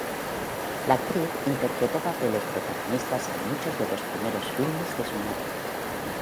La actriz interpretó papeles protagonistas en muchos de los primeros filmes de su marido.